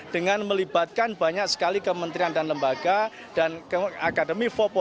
dengan melibatkan banyak sekali kementerian dan lembaga dan akademi empat